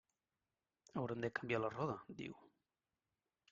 «Haurem de canviar la roda», diu.